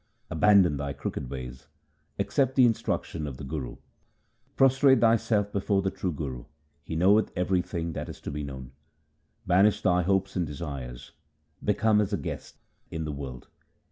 Abandon thy crooked ways, accept the instruction of the Guru ; Prostrate thyself before the true Guru ; he knoweth everything that is to be known. Banish thy hopes and desires ; become as a guest in the world.